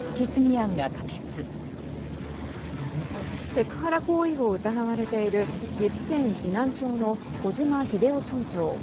セクハラ行為を疑われている岐阜県岐南町の小島英雄町長。